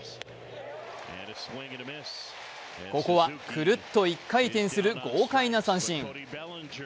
ここはくるっと１回転する豪華な三振。